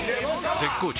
絶好調！！